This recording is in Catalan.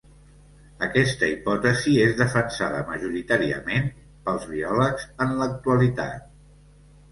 Aquesta hipòtesi és defensada majoritàriament pels biòlegs en l'actualitat.